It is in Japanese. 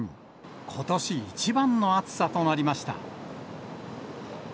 ことし一番の暑さとなりました。